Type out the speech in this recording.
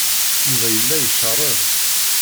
Yuba yella icerreḍ.